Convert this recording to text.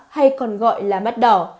hay còn gọi là mắt đỏ